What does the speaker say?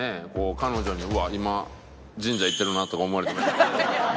彼女にうわっ今神社行ってるなとか思われて。